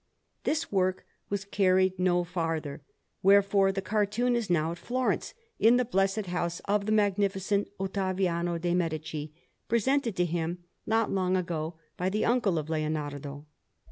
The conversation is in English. This work was carried no farther; wherefore the cartoon is now at Florence, in the blessed house of the Magnificent Ottaviano de' Medici, presented to him not long ago by the uncle of Leonardo.